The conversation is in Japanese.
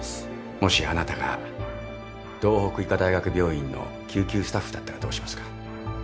もしあなたが道北医科大学病院の救急スタッフだったらどうしますか？